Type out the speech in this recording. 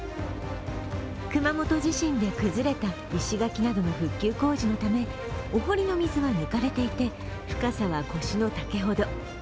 熊本地震で崩れた石垣などの復旧工事のためお堀の水は抜かれていて、深さは腰の丈ほど。